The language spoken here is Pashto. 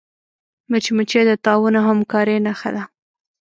مچمچۍ د تعاون او همکاری نښه ده